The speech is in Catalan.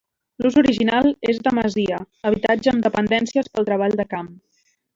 L'ús original és de masia, habitatge amb dependències pel treball del camp.